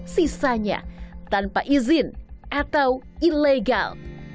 sisanya tanpa izin atau ilegal